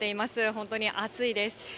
本当に暑いです。